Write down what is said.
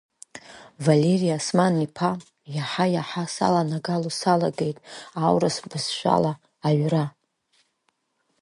Валери Осман-иԥа, иаҳа-иаҳа саланагало салагеит аурыс бызшәала аҩра.